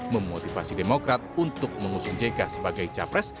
memotivasi demokrat untuk mengusung jk sebagai capres